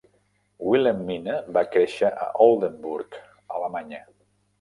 Wilhelmina va créixer a Oldenburg, Alemanya.